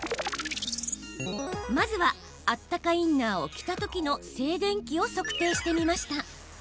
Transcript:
まずはあったかインナーを着たときの静電気を測定してみました。